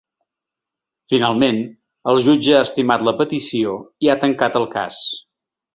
Finalment, el jutge ha estimat la petició i ha tancat el cas.